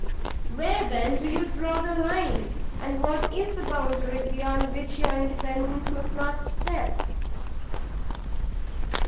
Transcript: "Where, then, do you draw the line? and what is the boundary beyond which your independence must not step?"